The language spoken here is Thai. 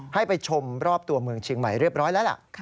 ให้ไปชมรอบตัวเมืองเชียงใหม่เรียบร้อยแล้วล่ะ